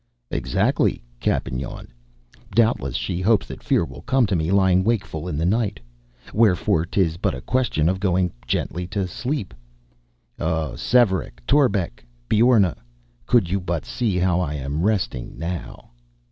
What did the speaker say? "Exactly." Cappen yawned. "Doubtless she hopes that fear will come to me lying wakeful in the night. Wherefore 'tis but a question of going gently to sleep. O Svearek, Torbek, and Beorna, could you but see how I am resting now!"